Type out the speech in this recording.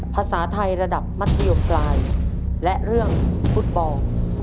ภาษาไทยระดับมัธยมปลายและเรื่องฟุตบอล